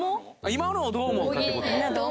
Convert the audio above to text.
今のをどう思うかって事？